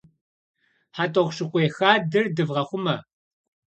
ХьэтӀохъущыкъуей хадэр дывгъэхъумэ!